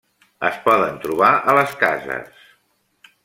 Es poden trobar a les cases.